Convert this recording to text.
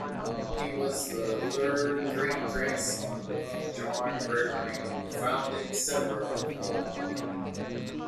He was the third great-grandson of John Gregory, founding settler of Norwalk.